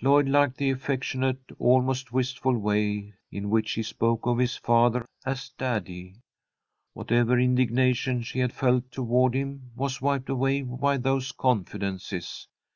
Lloyd liked the affectionate, almost wistful way in which he spoke of his father as Daddy. Whatever indignation she had felt toward him was wiped away by those confidences.